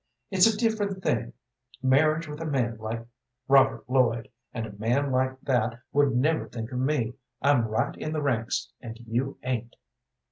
It's a different thing, marriage with a man like Robert Lloyd, and a man like that would never think of me. I'm right in the ranks, and you ain't."